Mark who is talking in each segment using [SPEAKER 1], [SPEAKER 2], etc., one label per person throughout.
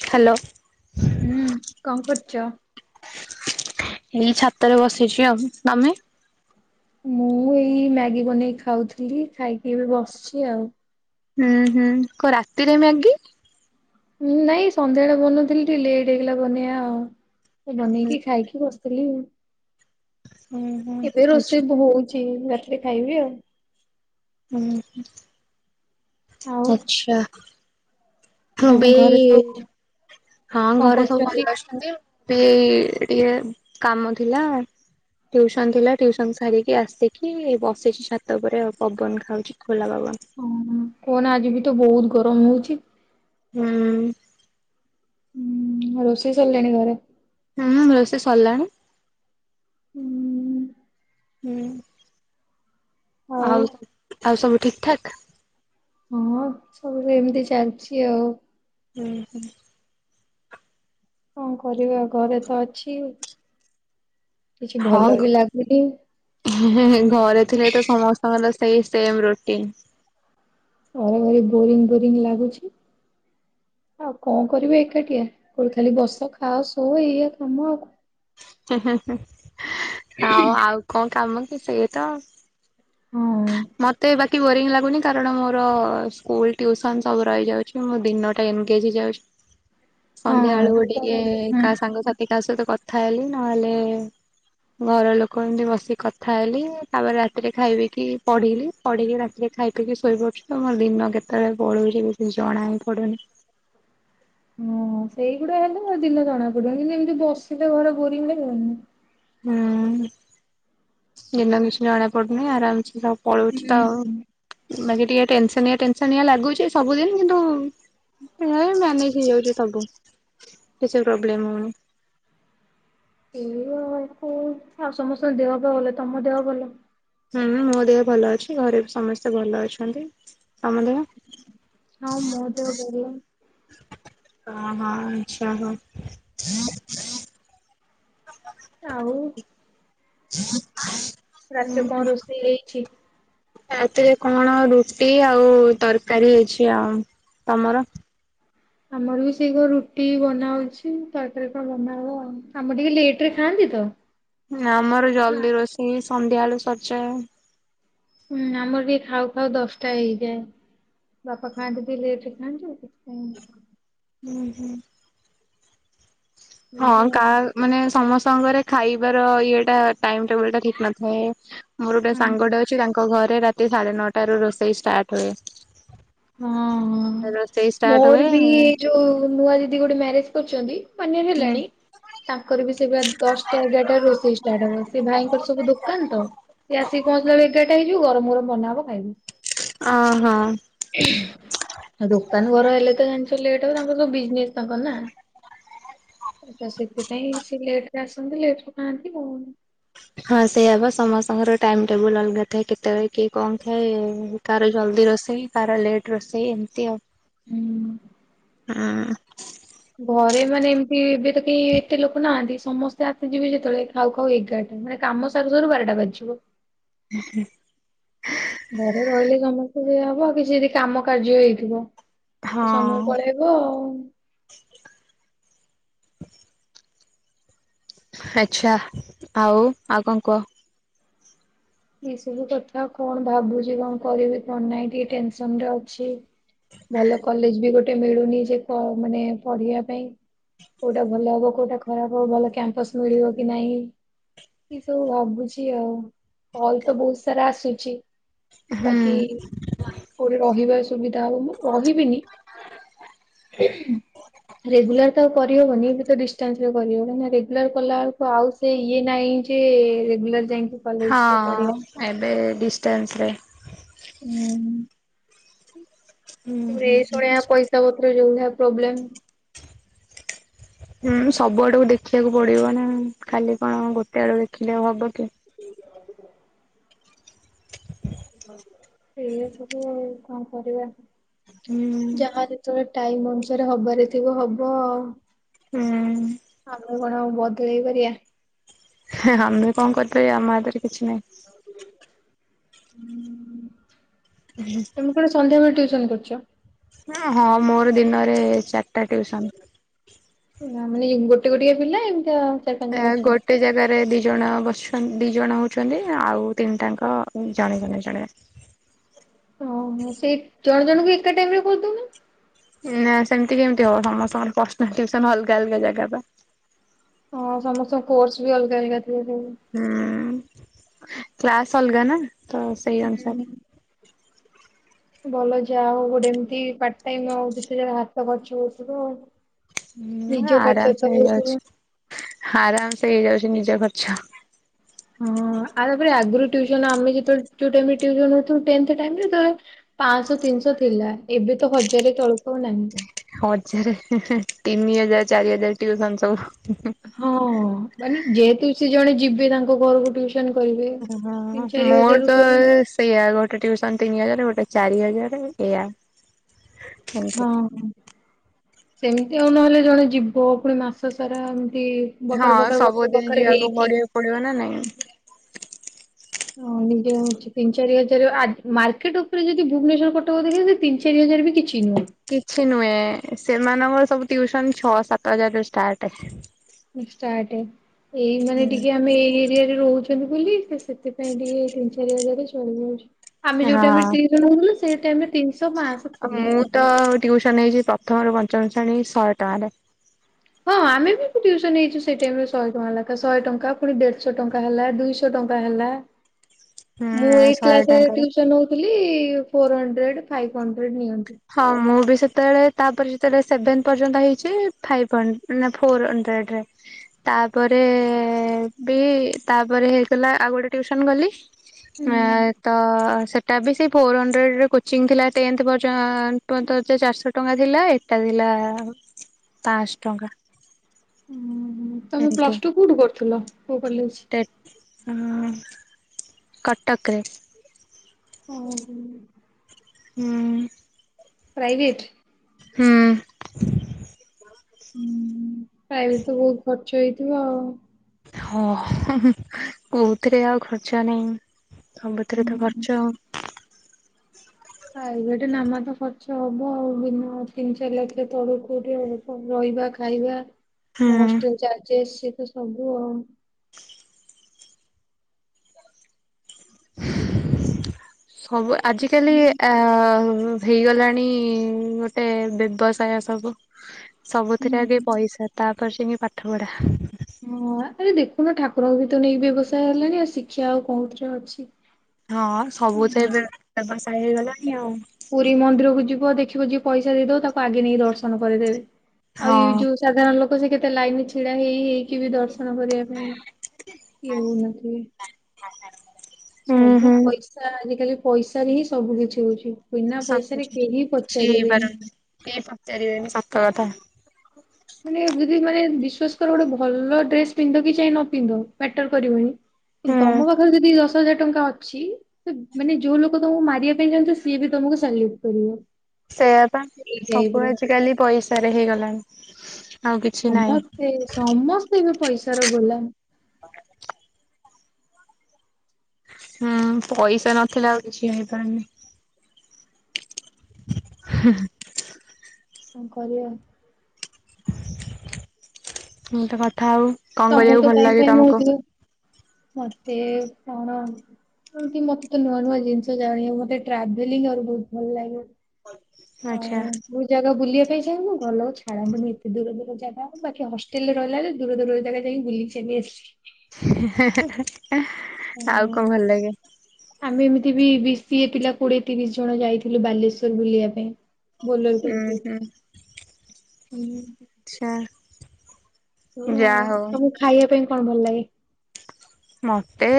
[SPEAKER 1] Hello.
[SPEAKER 2] ହୁଁ କଣ କରୁଛ?
[SPEAKER 1] ଏଇ ଛାତରେ ବସିଛି ଆଉ। ତମେ?
[SPEAKER 2] ମୁଁ ଏଇ ମ୍ୟାଗି ବନେଇକି ଖାଉଥିଲି ଖାଇକି ଏବେ ବସିଛି ଆଉ।
[SPEAKER 1] ହୁଁ ହୁଁ କଣ ରାତିରେ ମ୍ୟାଗି?
[SPEAKER 2] ଉଁ ନାଇଁ ସନ୍ଧ୍ୟାବେଳେ ବନଉଥିଲି ଟିକେ ଲେଟ୍ ହେଇଗଲା ବନେଇବା ଆଉ। ଏ
[SPEAKER 1] ହୁଁ
[SPEAKER 2] ବନେଇକି ଖାଇକି ବସିଥିଲି।
[SPEAKER 1] ହୁଁ ହୁଁ
[SPEAKER 2] ଏବେ ରୋଷେଇ
[SPEAKER 1] ଆଛା
[SPEAKER 2] ବୋ ହୋଉଛି ରାତିରେ ଖାଇବି ଆଉ।
[SPEAKER 1] ଉହୁଁ।
[SPEAKER 2] ଆଉ
[SPEAKER 1] ଆଚ୍ଛା। ହଁ
[SPEAKER 2] ତମ
[SPEAKER 1] ବେଇ
[SPEAKER 2] ଘରେ ସବୁ
[SPEAKER 1] ହଁ
[SPEAKER 2] କଣ
[SPEAKER 1] ଘରେ ସବୁ
[SPEAKER 2] କରୁଛନ୍ତି?
[SPEAKER 1] ଭଲ ଅଛନ୍ତି ଆଉ। ପି ଏଇ ଟିକେ କାମ ଥିଲା। ଟିଉସନ ଥିଲା ଟ୍ୟୁସନ ସାରିକି ଆସିକି ବସିଛି ଛାତ ଉପରେ ଆଉ ପବନ ଖାଉଛି। ଖୋଲା ବାବନ।
[SPEAKER 2] କହନା କହନା ଆଜି ବି ତ ବହୁତ୍ ଗରମ ହଉଛି।
[SPEAKER 1] ହୁଁ।
[SPEAKER 2] ଉଁ ରୋଷେଇ ସରିଲାଣି ଘରେ?
[SPEAKER 1] ହୁଁ ହୁଁ ରୋଷେଇ ସରଲାଣି।
[SPEAKER 2] ହୁଁ।
[SPEAKER 1] ହୁଁ ଆଉ ଆଉ ସବୁ ଆଉ ସବୁ ଠିକ୍ ଠାକ୍?
[SPEAKER 2] ହଁ ସବୁ ଏମତି ଚାଲଛି ଆଉ।
[SPEAKER 1] ହୁଁ ହୁଁ।
[SPEAKER 2] କଣ କରିବା ଘରେ ତ ଅଛି କିଛି ଭଲ ବି ଲାଗୁନି।
[SPEAKER 1] ହେଁ ହେଁ ହେଁ ଘରେ ଥିଲେ ତ ସମସ୍ତଙ୍କର ସେଇ ସେମ୍ ରୋଟିନ୍।
[SPEAKER 2] ଘରେ ଭାରି ବୋରିଙ୍ଗ୍ ବୋରିଙ୍ଗ୍ ଲାଗୁଛି। ଆଉ କଣ କରିବେ ଏକାଟିଆ କୋଉଠି ଖାଲି ବସ ଖାଅ ସୁଅ ଏଇଆ କାମ ଆଉ କ।
[SPEAKER 1] ହୁଁ ହୁଁ ହୁଁ ଆଉ ଆଉ କଣ କାମ କି ସେଇଆ ତ।
[SPEAKER 2] ହୁଁ।
[SPEAKER 1] ମତେ ବାକି ବୋରିଂ ଲାଗୁନି କାରଣ ମୋର ସ୍କୁଲ ଟୁସନ ସବୁ ରହିଯାଉଛି ମୁଁ ଦିନ ଟା ଏନ୍ଗେଜ୍ ହେଇ ଯାଉଛି।
[SPEAKER 2] [inaudible]
[SPEAKER 1] ସନ୍ଧ୍ୟା ବେଳୁ
[SPEAKER 2] ହଁ
[SPEAKER 1] କୁ
[SPEAKER 2] ସେଇଟା
[SPEAKER 1] ଟିକେ
[SPEAKER 2] କଣ
[SPEAKER 1] କାହା ସାଙ୍ଗସାଥି କାହା ସହିତ କଥା ହେଲି ନହେଲେ। ଘର ଲୋକ ଏମତି ବସି କଥା ହେଲି ତାପରେ ରାତିରେ ଖାଇବି। କି ପଢିଲି ପଢିକି ରାତିରେ ଖାଇ ପିଇକି ଶୋଇପଡୁଛି ତ ମୋ ଦିନ କେତେବେଳେ ପଳଉଛି କିଛି ଜଣା ହି ପଡୁନି।
[SPEAKER 2] ହଁ ସେଇଗୁଡା ହେଲେ ଦିନ ଜଣା ପଡିବନି କିନ୍ତୁ ଏମିତି ବସିଲେ ଘର ବୋରିଂ ଲାଗିବନି।
[SPEAKER 1] ହୁଁ ଦିନ କିଛି ଜଣା ପଡୁନି ଆରାମସେ
[SPEAKER 2] ହୁଁ
[SPEAKER 1] ପଳଉଛି ତ
[SPEAKER 2] ହୁଁ।
[SPEAKER 1] ଆଉ ମାନେ ଟିକେ ଟେନସନିଆ ଟେନ୍‌ସନିଆ ଲାଗୁଛି ସବୁଦିନ୍ କିନ୍ତୁ। ନାଇଁ ମ୍ୟାନେଜ୍ ହେଇଯାଉଛି ସବୁ କିଛି ପ୍ରୋବ୍ଲେମ ହଉନି।
[SPEAKER 2] ଏଇ [unintelligible] ଆଉ ସମସ୍ତଙ୍କ ଦେହ ପା ଭଲ ତମ ଦେହ ଭଲ?
[SPEAKER 1] ହୁଁଁ ମୋ ଦେହ ଭଲ ଅଛି ଘରେ ବି ସମସ୍ତେ ଭଲ ଅଛନ୍ତି ତମ ଦେହ?
[SPEAKER 2] ହଁ ମୋ ଦେହ ଭଲ।
[SPEAKER 1] ଓହୋ ଆଚ୍ଛା ହଉ।
[SPEAKER 2] ଆଉ।
[SPEAKER 1] [inaudible]
[SPEAKER 2] ରାତିରେ କଣ
[SPEAKER 1] ଉହୁଁ
[SPEAKER 2] ରୋଷେଇ ହେଇଛି?
[SPEAKER 1] ରାତିରେ କଣ ରୁଟି ଆଉ ତରକାରୀ ହେଇଛି ଆଉ ତମର?
[SPEAKER 2] ଆମର ବି ସେଇ କଣ ରୁଟି ବନାହଉଛି ତରକାରି କଣ ବନା ହବ ଆଉ। ଆମର ଟିକେ ଲେଟ ରେ ଖାଆନ୍ତି ତ।
[SPEAKER 1] ଆମର ଜଲ୍ଦି ରୋଷେଇ ସନ୍ଧ୍ୟାବେଳୁ ସରଯାଏ।
[SPEAKER 2] ହୁଁ ଆମର ଟିକେ ଖାଉ ଖାଉ ଦଶଟା ହେଇଯାଏ। ବାପା ଖାଆନ୍ତି ଟିକେ ଲେଟରେ ଖାଆନ୍ତି ତ ସେଥିପାଇଁ।
[SPEAKER 1] ହୁଁ ହୁଁ। ହଁ
[SPEAKER 2] ହେଇଯାଏ
[SPEAKER 1] କା
[SPEAKER 2] ଆଉ।
[SPEAKER 1] ମାନେ ସମସ୍ତଙ୍କ ଘରେ। ଖାଇବାର ଇଏଟା ଟାଇମ୍ ଟେବୁଲ୍ ଟା ଠିକ୍ ନଥାଏ ମୋର ଗୋଟେ
[SPEAKER 2] ହୁଁ।
[SPEAKER 1] ସାଙ୍ଗଟା ଅଛି ତା ଙ୍କ ଘରେ ରାତି ସାଢେ ନଅଟାରୁ ରୋଷେଇ ଷ୍ଟାର୍ଟ ହୁଏ।
[SPEAKER 2] ହଁ ହଁ।
[SPEAKER 1] ରୋଷେଇ ଷ୍ଟାର୍ଟ ହୁଏ
[SPEAKER 2] ମୋର ବି ଯୋଉ ନୂଆ ଦିଦି ଗୋଟେ ମ୍ୟାରେଜ କରୁଛନ୍ତି ୱାନୟେର୍
[SPEAKER 1] ହୁଁ
[SPEAKER 2] ହେଲାଣି ତାଙ୍କର ବି ସେ ପା ଦଶଟା ଏଗାରଟା ରୋଷେଇ ଷ୍ଟାର୍ଟ ହବ ସେ ଭାଇଙ୍କର ସବୁ ଦୋକାନ ତ ସେ ଆସିକି ପହଞ୍ଚିଲା ସୁ ଏଗାରଟା ହେଇଯିବ ଗରମ ଗରମ ବନାହବ ଖାଇବି।
[SPEAKER 1] ଓ ହୋ।
[SPEAKER 2] ହୁଁ। ଆଉ ଦୋକାନ ଘର ହେଲେ ତ ଜାଣିଛ ଲେଟ୍ ହ ତାଙ୍କର ସବୁ ବିଜନେସ ତାଙ୍କର ନା ତ ସେଥିପାଇଁ ସେ ଲେଟ ରେ ଆସନ୍ତି ଲେଟରେ ଖାଆନ୍ତି ଆଉ
[SPEAKER 1] ହଁ ସେଇଆବ ସମସ୍ତଙ୍କର ଟାଇମ ଟେବୁଲ ଅଲଗା ଥାଏ କେତେବେଳେ କିଏ କଣ ଖାଏ କାହାର ଜଲ୍ଦି ରୋଷେଇ କାହାର ଲେଟ୍ ରୋଷେଇ ଏମିତି ଆଉ
[SPEAKER 2] ହୁଁ।
[SPEAKER 1] ହଁ।
[SPEAKER 2] ଘରେ ମାନେ ଏମିତି ଏବେ ତ କେହି ଏତେ ଲୋକ ନାହାନ୍ତି ସମସ୍ତେ ଆସି ଯିବେ ସେତେବେଳେ ଖାଉ ଖାଉ ଏଗାରଟା ମାନେ କାମ ସାର ସରୁ ବାରଟା ବାଜିଯିବ।
[SPEAKER 1] ହଁ ହୁଁ।
[SPEAKER 2] ଘରେ ରହିଲେ ସମସ୍ତେ ଇଆ ହବ କିଛି ଯଦି କାମ କାର୍ଯ୍ୟ ହେଇଥିବ
[SPEAKER 1] ହଁ
[SPEAKER 2] ତ ସମୟ ପଳେଇବ ହଁ।
[SPEAKER 1] ଆଛା ଆଉ ଆଉ କଣ କୁହ?
[SPEAKER 2] ଏଇ ସବୁ କଥା କଣ ଭାବୁଛି କଣ କରିବି କଣ ନାହିଁ ଟିକେ ଟେନସନ ରେ ଅଛି ଭଲ କଲେଜ ବି ଗୋଟେ ମିଳୁନି ଯେ ମାନେ ପଢିବା ପାଇଁ କୋଉଟା ଭଲ ହବ କୋଉଟା ଖରାପ ହବ ଭଲ କ୍ୟାମ୍ପସ ମିଳିବ କି ନାଇଁ? ଏ ସବୁ ଭାବୁଛି ଆଉ କଲ ତ ବହୁତ ସାରା ଆସୁଛି
[SPEAKER 1] ହୁଁ
[SPEAKER 2] ବାକି କୋଉଠି ରହିବାର ସୁବିଧା ହୋଉନି ରହିବିନି ରେଗୁଲାର ତ ଆଉ କରିହେବନି ଏବେ ତ ଡିଷ୍ଟାନ୍ସରେିବ କଲା ବେଳକୁ ରେଗୁଲାର କଲା ବଳକୁ ଆଉ ସେ ଇଏ ନାହିଁ ଯେ ରେଗୁଲାର ଯାଇକି କଲେଜ
[SPEAKER 1] ହଁ ଏବେ ଡିଷ୍ଟାନ୍ସରେ ହୁଁ
[SPEAKER 2] [inaudible]
[SPEAKER 1] ହୁଁ ହୁଁ।
[SPEAKER 2] ପଇସା ପତ୍ର ଯୋଉ ଭଳିଆ ପ୍ରୋବ୍ଲେମ୍
[SPEAKER 1] ହୁଁ ସବୁଆଡକୁ ଦେଖିବାକୁ ପଡିବ ନା ଖାଲି କଣ ଗୋଟେ ଆଡକୁ ଦେଖିଲେ ଆଉ ହବ କି?
[SPEAKER 2] ସେ
[SPEAKER 1] ହ
[SPEAKER 2] ଏୟା ସବୁ ଆଉ କଣ କରିବା
[SPEAKER 1] ହୁଁ।
[SPEAKER 2] ଯାହା ଯେତେବେଳେ ଟାଇମ ଅନୁସାରେ ହବାରେ ଥିବ ହବ ଆ ଆଉ ଆଉ କଣ ଆଉ ବଦଳେଇ ପାରିବା
[SPEAKER 1] ଆମେ କଣ କରିପାରିବା ଆମ ହାତରେ କିଛି ନାହିଁ।
[SPEAKER 2] ହୁଁ।
[SPEAKER 1] ହୁଁ
[SPEAKER 2] ତୁମେ କଣ ସନ୍ଧ୍ୟାବେଳେ ଟୁସନ୍ କରୁଛ?
[SPEAKER 1] ହଁ ମୋର ଦିନରେ ଚାରିଟା ଟିଉସନ।
[SPEAKER 2] ହେ ମାନେ ଗୋଟେ ଗୋଟେ ପିଲା ଏମିତି ଆ
[SPEAKER 1] ଏ ଗୋଟେ ଗୋଟେ ଜାଗାରେ ଦି ଜଣ ବସିଛନ୍ତି ଦି ଜଣ ହଉଛନ୍ତି ଆଉ ତିନିଟାଙ୍କ ଜଣେ ଜଣେ ଜଣେ
[SPEAKER 2] ଓହୋ ସେଇ ଜଣ ଜଣଙ୍କୁ ଏକା ଟାଇମ ରେ କରିଦଉନ?
[SPEAKER 1] ନାଁ ସେମିତି କେମିତି ହବ ସମସ୍ତଙ୍କ ପ୍ସାର୍ନାଲୁସନ ଅଲଗା ଅଲଗା ଜାଗା ବା
[SPEAKER 2] ହଁ, ସମସ୍ତଙ୍କ କୋର୍ସ ବି ଅଲଗା ଅଲଗା ଥିବ [unintelligible]
[SPEAKER 1] ହୁଁ-ଉ-ଉ, କ୍ଲାସ ଅଲଗା ନା, ତ ସେଇ ଅନୁସାରେ।
[SPEAKER 2] [inaudible] ଭଲ, ଯାହା ହଉ, ଗୋଟେ ଏମିତି ପାର୍ଟ-ଟାଇମ୍, ଆଉ ଦୁତିଜା ହାତ ଖର୍ଚ୍ଚ ଉଠିବ ଆଉ।
[SPEAKER 1] ହୁଁ
[SPEAKER 2] ନିଜ ଖର୍ଚ୍ଚ
[SPEAKER 1] ଆରାମସେ
[SPEAKER 2] ତ
[SPEAKER 1] ହେଇଯାଉଛି।
[SPEAKER 2] ଉଠିବ।
[SPEAKER 1] ଆରାମସେ ହେଇଯାଉଛି ନିଜ ଖର୍ଚ୍ଚ।
[SPEAKER 2] ହଁ, ଆ ତାପରେ ଆଗରୁ ଟ୍ୟୁସନ୍‌ ଆମେ ଯେତେବେଳେ ଟ୍ୟୁଟ୍ରାଲ୍ ରେ ଟ୍ୟୁସନ୍‌ ହଉଥୁଲୁ, ଟେନ୍‌ଥ ଟାଇମ୍ ରେ ସେତେବେଳେ ପାଁଶହ, ତିନିଶହ ଥିଲା। ଏବେ ତ ହଜାରେ ତଳକୁ ଆଉ ନାହିଁ।
[SPEAKER 1] ହଜାରେ ହେଁ, ହେଁ, ତିନି ହଜାର, ଚାରି ହଜାର ଟ୍ୟୁସନ୍‌ ସବୁ।
[SPEAKER 2] ହଁ-ଅ-ଅ, ମାନେ ଯେହେତୁ ସେ ଜଣେ ଯିବେ ତାଙ୍କ ଘରକୁ ଟ୍ୟୁ ସନ୍‌ କରିବେ।
[SPEAKER 1] ଓହୋ,
[SPEAKER 2] ତିନି ଚାରି
[SPEAKER 1] ମୋର
[SPEAKER 2] ହଜାରରୁ
[SPEAKER 1] ତ
[SPEAKER 2] ପଡିବ
[SPEAKER 1] ଏସ ଏଇଆ, ଗୋଟେ ଟ୍ୟୁସନ୍‌ ତିନି ହଜାର, ଗୋଟେ ଚାରି ହଜାର, ଏଇଆ। ଏମିତି
[SPEAKER 2] ହଁ, ସେମିତି ଆଉ ନହେଲେ ଜଣେ ଯିବ, ପୁଣି ମାସ ସାରା ଏମିତି
[SPEAKER 1] ହଁ,
[SPEAKER 2] ବକାର ବକାର ବକାର
[SPEAKER 1] ସବୁଦିନ
[SPEAKER 2] ବକାର
[SPEAKER 1] ଯିବାକୁ
[SPEAKER 2] ହେଇକି
[SPEAKER 1] ପଡିବାକୁ ପଡିବ ନା ନାଇଁ।
[SPEAKER 2] ହଁ, ନିଜେ ହଉଛି ତିନି, ଚାରି ହଜାର। ଆ ମାର୍କେଟ ଉପରେ ଯଦି ଭୁବନେଶ୍ଵର, କଟକ ଯଦି ହେଇ ତିନି, ଚାରି ହଜାର ବି କିଛି ନୁହଁ।
[SPEAKER 1] କିଛି ନୁହେଁ, ସେମାନଙ୍କର ସବୁ ଟ୍ୟୁସନ୍‌ ଛଅ, ସାତ ହଜାରରୁ ଷ୍ଟାର୍ଟେ।
[SPEAKER 2] ଷ୍ଟାର୍ଟେ ଏଇ, ମାନେ ଟିକେ ଆମେ ଏଇ ଏରିଆରେ ରହୁଛନ୍ତି ବୋଲି ସେଥିପାଇଁ ଟିକେ ତିନି, ଚାରି ହଜାରରେ ଚଳି ଯାଉଛି। ଆମେ ଯୋଉ ଟାଇମ୍ ରେ
[SPEAKER 1] ଆଉ
[SPEAKER 2] ଟ୍ୟୁସନ ହଉଥିଲୁ, ସେଇ ଟାଇମ୍ ରେ ତିନିଶ, ପାଁଶ ଥିଲା।
[SPEAKER 1] ମୁଁ ତ ଟ୍ୟୁସନ୍‌ ହେଇଛି ପ୍ରଥମରୁ ପଞ୍ଚମ ଶ୍ରେଣୀ, ଶହେ ଟଙ୍କାରେ।
[SPEAKER 2] ହଁ, ଆମେ ବି ଟ୍ୟୁସନ୍‌ ହେଇଛୁ। ସେଇ ଟାଇମ୍ ଶହ ଟଙ୍କା ଲାଖା, ଶହ ଟଙ୍କା, ପୁଣି ଦେଢଶହ ଟଙ୍କା ହେଲା, ଦୁଇଶହ ଟଙ୍କା ହେଲା। ମୁଁ
[SPEAKER 1] ହୁଁ
[SPEAKER 2] ଏଇଟ୍
[SPEAKER 1] ଶହେ
[SPEAKER 2] କ୍ଲାସ ରେ
[SPEAKER 1] ଟଙ୍କାରେ
[SPEAKER 2] ଟ୍ୟୁସନ ହଉ ଥିଲି ଫୋର ହଣ୍ଡ୍ରେଡ୍‌, ଫାଇଭ୍ ହଣ୍ଡ୍ରେଡ୍‌ ନିଅନ୍ତି।
[SPEAKER 1] ହଁ, ମୁଁ ବି ସେତେବେଳେ, ତାପରେ ଯେତେବେଳେ ସେଭେନ୍‌ ପର୍ଯ୍ୟନ୍ତ ହେଇଛି, ଫାଇଭ୍ ହ ନା ଫୋର୍ ହଣ୍ଡ୍ରେଡ୍‌ ରେ। ତାପରେ ବି, ତାପରେ ହେଇଗଲା ଆଉ ଗୋଟେ ଟ୍ୟୁସନ୍‌ ଗଲି
[SPEAKER 2] ହୁଁ
[SPEAKER 1] ଆଁ, ତ, ସେଟା ବି ସେ ଫୋର୍ ହଣ୍ଡ୍ରେଡ୍‌ ର କୋଚିଂ ଥିଲା, ଟେନ୍‌ଥ [unintelligible] ଚାରିଶହ ଟଙ୍କା ଥିଲା, ଏଟା ଥିଲା ପାଁଶ ଟଙ୍କା।
[SPEAKER 2] ଉଁ, ହୁଁ, ତମେ
[SPEAKER 1] ଏମିତି।
[SPEAKER 2] ପ୍ଲସ ଟୁ କୋଉଠୁ କରୁଥିଲ, କୋଉ କଲେଜ?
[SPEAKER 1] ହଁ। କଟକରେ।
[SPEAKER 2] ଓ ହୋ।
[SPEAKER 1] ହୁଁ।
[SPEAKER 2] ପ୍ରାଇଭେଟ୍?
[SPEAKER 1] ହୁଁ।
[SPEAKER 2] ହୁଁ, ହୁଁ, ପ୍ରାଇଭେଟ୍ ତ ବହୁତ ଖର୍ଚ୍ଚ ହେଇଥିବ ଆଉ।
[SPEAKER 1] ହଁ, ହୁଁ, ହୁଁ, କୋଉଥିରେ ଆଉ ଖର୍ଚ୍ଚ ନାଇଁ, ସବୁଥିରେ ତ
[SPEAKER 2] ହୁଁ।
[SPEAKER 1] ଖର୍ଚ୍ଚ।
[SPEAKER 2] ପ୍ରାଇଭେଟ୍ ନାମା, ତ ଖର୍ଚ୍ଚ ହବ ଆଉ। ବିନା ତିନି-ଚାରି ଲକ୍ଷ ତଳୁ କୋଉଠି ଆଉ? ରହିବା, ଖାଇବା,
[SPEAKER 1] ହୁଁ।
[SPEAKER 2] ହଷ୍ଟେଲ ଚାର୍ଜେସ୍‌ ସେତ ସବୁ ଆଉ।
[SPEAKER 1] ସବୁ ଆଜିକାଲି ଆ, ହେଇଗଲାଣି ଗୋଟେ ବ୍ୟବସାୟ ସବୁ। ସବୁଥିରେ ଆଗେ
[SPEAKER 2] ହୁଁ।
[SPEAKER 1] ପଇସା, ତାପରେ ଯାଇକି ପାଠ ପଢ଼ା।
[SPEAKER 2] ହଁ, ଆରେ ଦେଖୁନ, ଠାକୁରଙ୍କ ବି ତ ନେଇକି ବ୍ୟବସାୟ ହେଲାଣି, ଆଉ ଶିକ୍ଷା ଆଉ କଉଥିରେ ଅଛି।
[SPEAKER 1] ହଁ ସବୁତ
[SPEAKER 2] ହୁଁ।
[SPEAKER 1] ଏବେ ବ୍ୟବସାୟ ହେଇଗଲାଣି ଆଉ।
[SPEAKER 2] ପୁରୀ ମନ୍ଦିରକୁ ଯିବ ଦେଖିବ ଯିଏ ପଇସା ଦେଇଦବ ତାକୁ ଆଗେ ନେଇକି ଦର୍ଶନ କରିଦେବେ ଆଉ ଏଇ
[SPEAKER 1] ହଁ।
[SPEAKER 2] ଯୋଉ ସାଧାରଣ ଲୋକ ସେ କେତେ ଲାଇନ ରେ ଛିଡା ହେଇହେଇ ହେଇକି ବି ଦର୍ଶନ କରିବା ପାଇଁ [unintelligible]
[SPEAKER 1] [unintelligible]
[SPEAKER 2] ସବୁ
[SPEAKER 1] ହୁଁ।
[SPEAKER 2] ପଇସା ଆଜିକାଲି ପଇସା ରେ ହିଁ ସବୁ କିଛି ହୋ ଉଚି। ବିନା ପଇସାରେ କେହି ପଚାରିବେନି।
[SPEAKER 1] କିଏ ପଚାରିବେନି ସତ କଥା।
[SPEAKER 2] ମାନେ ଦିଦି ମାନେ ବିଶ୍ୱାସ କର ଗୋଟେ ଭଲ ଡ୍ରେସ ପିନ୍ଧ କି [unintelligible] ନଥିବ ମ୍ୟାଟର କରିବନି। କିନ୍ତୁ
[SPEAKER 1] ହୁଁ
[SPEAKER 2] ତମ ପାଖରେ ଯଦି ଦଶ ହଜାର ଟଙ୍କା ଅଛି ତ ମାନେ ଯୋଉ ଲୋକ ତମକୁ ମାରିବା ପାଇଁ ଚାହୁଁଥିବ ସିଏ ବି ତମକୁ ସାଲ୍ୟୁଟ କରିବ।
[SPEAKER 1] ସେଇଆପା
[SPEAKER 2] ଏଇ
[SPEAKER 1] ସବୁ
[SPEAKER 2] ଟାଇପ ର
[SPEAKER 1] ଆଜିକାଲି ପଇସାରେ ହେଇଗଲାଣି। ଆଉ କିଛି ନାହିଁ।
[SPEAKER 2] ସମସ୍ତେ ସମସ୍ତେ ଏବେ ପଇସା ର ଗୋଲାମ।
[SPEAKER 1] ହୁଁ ପଇସା ନଥିଲେ ଆଉ କିଛି ହେଇପାରୁନି। ହଁ।
[SPEAKER 2] କଣ କରିବା?
[SPEAKER 1] ମୁଁ ତ କଥା ଆଉ କଣ
[SPEAKER 2] ତମକୁ
[SPEAKER 1] କରିବାକୁ
[SPEAKER 2] ତ
[SPEAKER 1] ଭଲ
[SPEAKER 2] ଟାଇମ
[SPEAKER 1] ଲାଗେ
[SPEAKER 2] ପାଇଁ ମୁଁ
[SPEAKER 1] ତମକୁ?
[SPEAKER 2] ଟିକେ ମତେ କଣ ସେମତି ମତେ ତ ନୂଆ ନୂଆ ଜିନିଷ ଜାଣିବାକୁ ମତେ ଟ୍ରାଭେଲିଂ [unintelligible] ବୋହୁତ ଭଲ ଲାଗେ।
[SPEAKER 1] ଆଚ୍ଛା।
[SPEAKER 2] କୋଉ ଜାଗା ବୁଲିବା ପାଇଁ ଚାହିଁବୁ ଘରଲୋକ ଛାଡା ହବନି ଏତେ ଦୂର ଦୂର ଜାଗା ଆଉ ବାକି ହଷ୍ଟେଲରେ ରହିଲାବେଳେ ଦୂର ଦୂରରେ ଜାଗା ଯାଇଁକି ବୁଲିକି ଚାଲି ଆସିଚି।
[SPEAKER 1] ଆଉ କଣ ଭଲ ଲାଗେ?
[SPEAKER 2] ଆମେ ଏମିତି ବି ବି ସିଏ ପିଲା କୋଡିଏ ତିରିଶ ଜଣ ଯାଇଥିଲୁ ବାଲେଶ୍ଵର ବୁଲିବା ପାଇଁ। ବୋଲେର କରିକି
[SPEAKER 1] ଉୁଁ ହୁଁ ଆଚ୍ଛା।
[SPEAKER 2] [unintelligible]
[SPEAKER 1] ଯାହା ହଉ।
[SPEAKER 2] ତମକୁ ଖାଇବା ପାଇଁ କଣ ଭଲ ଲାଗେ?
[SPEAKER 1] ମତେ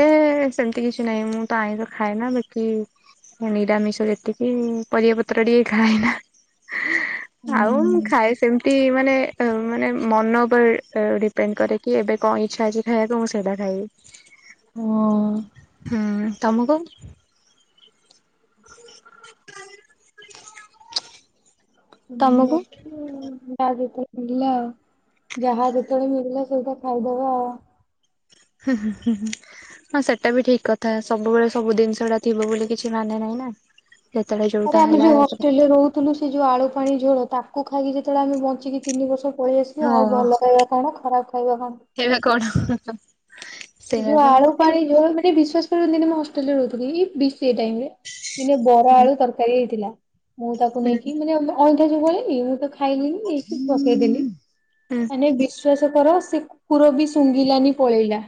[SPEAKER 1] ସେମିତି କିଛି ନାହିଁ ମୁଁ ତ ଆଇଁଶ ଖାଏ ନା ଵାକି ନିରାମିଷ ଯେତିକି ପରିବା ପତ୍ର ଟିକେ ଖାଏନା। ଆଉ ମୁଁ
[SPEAKER 2] ହୁଁ
[SPEAKER 1] ଖାଏ ସେମିତି ମାନେ ମାନେ ମନ ଉପରେ ଡିପେଣ୍ଡ କରେ କି ଏବେ କଣ ଇଚ୍ଛା ଅଛି ଖାଇବାକୁ ମୁଁ ସେଇଟା ଖାଇବି।
[SPEAKER 2] ହଁ।
[SPEAKER 1] ହୁଁ ତମୁକୁ? [inaudible]
[SPEAKER 2] [unintelligible]
[SPEAKER 1] ତମକୁ
[SPEAKER 2] ଯାହା ଯେତେବେଳେ ମିଳିଲା ଆଉ ଯାହା ଯେତେବେଳେ ମିଳିଲା ସେଇଟା ଖାଇଦବାଆଉ।
[SPEAKER 1] ହୁଁ ହୁଁ ହୁଁ ହୁଁ [unintelligible] ହଁ ସେଟା ବି ଠିକ କଥା ସବୁବେଳେ ସବୁ ଦିନିଷଟା ଥିବ ବୋଲି କିଛି ମାନେ ନାହିଁ ନା। ସେତେବେଳେ ଯୋଉଟା
[SPEAKER 2] ଆରେ ଆମେ
[SPEAKER 1] ହେଲା
[SPEAKER 2] ଜୋଉ ହଷ୍ଟେଲରେ ରୋହୁଥୁଲୁ ସେ ଯୋଉ ଆଳୁ ପାଣି ଝୋଳ ତାକୁ ଖାଇକି ଯେତେବେଳେ ଆମେ ବଞ୍ଚିକି ତିନି ବର୍ଷ ପଳେଇ ଆସିବି ଆଉ ଭଲ ଖାଇବା କଣ ଖରାପ ଖାଇବା କଣ।
[SPEAKER 1] ଏଵେ କଣ?
[SPEAKER 2] ସେ
[SPEAKER 1] ସେଇଆ
[SPEAKER 2] ଯୋଉ
[SPEAKER 1] ବା
[SPEAKER 2] ଆଳୁ
[SPEAKER 1] ହୁଁ
[SPEAKER 2] ପାଣି ଝୋଳ ମାନେ ବିଶ୍ୱାସ କରନ୍ତିିନି ମୁଁ ହଷ୍ଟେଲ ରେ ରହୁଥିଲି ବି ସେଇ ଟାଇମରେ ଦିନେ ବରା
[SPEAKER 1] ହୁଁ
[SPEAKER 2] ଆଳୁ ତରକାରୀ ହେଇଥିଲା ମୁଁ ତାକୁ ନେଇକି ମାନେ ଆମ ଅଇଁଠା ଯୋଉ ବଳେନି ମୁଁ ତ ଖାଇଲିିନି ନେଇକୀ ପକେଇଦେଲି।
[SPEAKER 1] ହୁଁ।
[SPEAKER 2] ମାନେ ବିଶ୍ଵାସ କର ସେ କୁକୁର ବି ଶୁଙ୍ଘିଲାନି ପଳେଇଲା।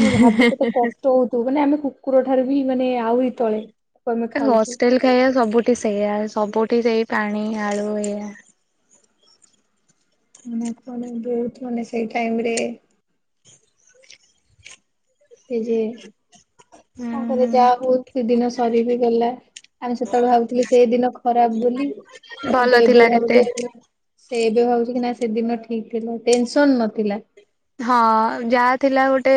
[SPEAKER 2] ମାନେ ଭାବ କେତେ କଷ୍ଟ ହୋଉଥିବ ମାନେ ଆମେ କୁକୁର ଠାରୁ ବି ମାନେ ଆହୁରି ତଳେ। ତାକୁ ଆମେ ଖାଉଛୁ
[SPEAKER 1] ହଷ୍ଟେଲ ଖାଇବା ସବୁଠି ସେଇଆ। ସବୁଠି ସେଇ ପାଣି ଆଳୁ ଏଇଆ।
[SPEAKER 2] ମାନ [inaudible] ବହୁତ ମାନେ ସେଇ ଟାଇମ ରେ ସେ ଯେ
[SPEAKER 1] ହୁଁ
[SPEAKER 2] ତାଙ୍କରେ
[SPEAKER 1] ହୁଁ
[SPEAKER 2] ଯାହା ହଉ ସେଦିନ ସରି ବିି ଗଲା। ଆମେ ସେତେବେଳେ ଭାବୁଥିଲୁ ସେ ଦିନ ଖରାପ ବୋଲି
[SPEAKER 1] ଭଲ
[SPEAKER 2] କିନ୍ତୁ ଏବେ
[SPEAKER 1] ଥିଲା କେତେ
[SPEAKER 2] ଭାବୁଚେ ସେ ଏବେ ଭାବୁଚି କି ନା ସେଦିନ ଠିକ ଥିଲା ଟେନସନ ନଥିଲା।
[SPEAKER 1] ହଁ ଯାହା ଥିଲା ଗୋଟେ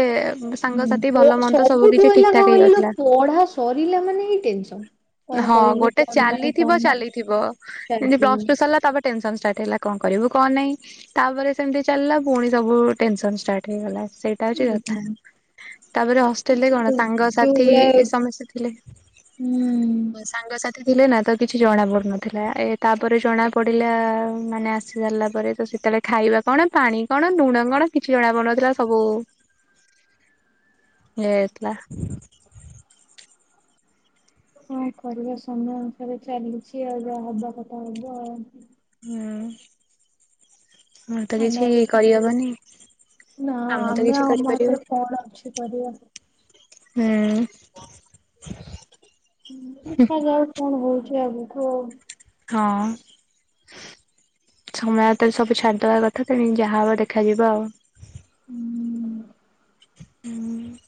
[SPEAKER 1] ସାଙ୍ଗସାଥି ଭଲ
[SPEAKER 2] ହୁଁ ପ
[SPEAKER 1] ମନ୍ଦ ସବୁ
[SPEAKER 2] ସବୁଠୁ
[SPEAKER 1] କିଛି ଠିକ
[SPEAKER 2] ହେଲା
[SPEAKER 1] ଠାକ
[SPEAKER 2] ହେ
[SPEAKER 1] ହେଇଯାଉଥିଲା।
[SPEAKER 2] ପଢା ସରିଲା ମାନେ ଟେନସନ। କଣ
[SPEAKER 1] ହଁ
[SPEAKER 2] କରିବୁ
[SPEAKER 1] ଗୋଟେ
[SPEAKER 2] କଣ ନାହିଁ କଣ
[SPEAKER 1] ଚାଲିଥିବ
[SPEAKER 2] ନା
[SPEAKER 1] ଚାଲିଥିବ ଯେମତି
[SPEAKER 2] ଚାଲିଥିବ
[SPEAKER 1] ପ୍ଲସ୍ ଟୁ ସରିଲା ତାପ ଟେନସନ ଷ୍ଟାର୍ଟ ହେଲା କଣ କରିବୁ କଣ ନାଇଁ? ତାପରେ ସେମିତି ଚାଲିଲା ପୁଣି ସବୁ ଟେନସନ ଷ୍ଟାର୍ଟ ହେଇଗଲା। ଟା ହଉଚି କଥା।
[SPEAKER 2] ବୁଝିଲୁ।
[SPEAKER 1] ତାପରେ ହଷ୍ଟେଲ ରେ
[SPEAKER 2] ଏଇସବୁ ତ
[SPEAKER 1] କଣ
[SPEAKER 2] ଯୋଉ
[SPEAKER 1] ସାଙ୍ଗସଥି
[SPEAKER 2] ଭଳିଆ
[SPEAKER 1] ସମସ୍ତେ ଥିଲେ।
[SPEAKER 2] ହୁଁ।
[SPEAKER 1] ହଁ ସାଙ୍ଗ ସାଥି ତ ଥିଲେ ନା ତ କିଛି ଜଣା ପଡୁନଥିଲା। ଏ ତାପରେ ଜଣା ପଡିଲା ମାନେ ଆସି ସାରିଲା ପରେ ତ ସେତେବେଳେ ଖାଇବା କଣ ପାଣି କଣ ଲୁଣ କଣ କିଛି ବି ଜଣା ପଡୁନଥିଲା ସବୁ ୟେ ହେଥିଲା।
[SPEAKER 2] କଣ କରିବା ସମୟ ଅନୁସାରେ ଚାଲିଚି ଆଉ ଯାହା ହବା କଥା ହବ ଆଉ।
[SPEAKER 1] ହୁଁ ମୁଁ ତ
[SPEAKER 2] ଆଉ
[SPEAKER 1] କିଛି
[SPEAKER 2] ନହେଲେ
[SPEAKER 1] କରିହବନି।
[SPEAKER 2] ନା
[SPEAKER 1] ତ
[SPEAKER 2] ଆମେ
[SPEAKER 1] କିଛି
[SPEAKER 2] ଆମ ହାତରେ
[SPEAKER 1] କରିପାରିବାନି।
[SPEAKER 2] କଣ ଅଛି କରିବା।
[SPEAKER 1] ହୁଁ।
[SPEAKER 2] ହୁଁ ଦେଖାଯାଉ କଣ ହଉଚି ଆଗକୁ ଆଉ।
[SPEAKER 1] ହଁ। ସମୟ ହାତରେ ସବୁ ଛାଡିଦବା କଥା। ତେଣିକି ଯାହା ହବ ଦେଖାଯିବ ଆଉ।
[SPEAKER 2] ହୁଁ।
[SPEAKER 1] ହୁଁ।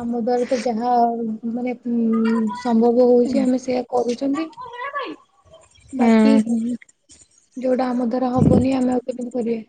[SPEAKER 2] ଆମ ଦ୍ବାରା ତ ଯାହା ମାନେ ଉଁ ସମ୍ଭବ ହଉଚି ଆମେ ସେୟା କରୁଚନ୍ତି।
[SPEAKER 1] ହୁଁ ହ।
[SPEAKER 2] ଯୋଉଟା ଆମ ଦ୍ଵାରା ହବନି ଆମେ ଆଉ କେମିତି କରିବା।